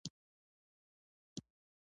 او انزائټي ډپرېشن طرف ته لار کولاو شي